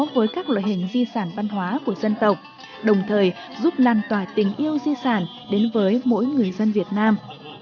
với các loại hình di sản văn hóa của dân tộc đồng thời giúp lan tỏa tình yêu di sản đến với mỗi người dân việt nam